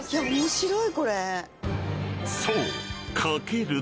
［そう］